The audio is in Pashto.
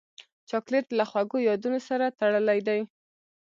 چاکلېټ له خوږو یادونو سره تړلی دی.